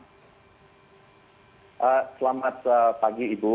selamat pagi ibu